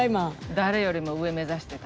誰よりも上目指してた。